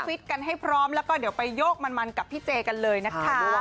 กันให้พร้อมแล้วก็เดี๋ยวไปโยกมันกับพี่เจกันเลยนะคะ